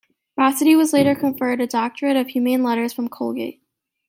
Bossidy was later conferred a doctorate of Humane Letters from Colgate.